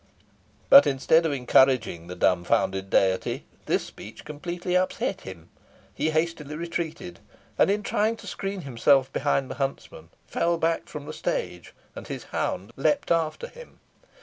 But, instead of encouraging the dumbfounded deity, this speech completely upset him. He hastily retreated; and, in trying to screen himself behind the huntsman, fell back from the stage, and his hound leapt after him.